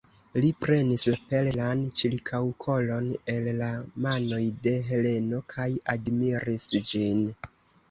Li prenis la perlan ĉirkaŭkolon el la manoj de Heleno kaj admiris ĝin.